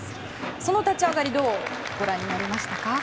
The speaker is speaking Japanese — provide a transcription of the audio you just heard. その立ち上がりどうご覧になりましたか。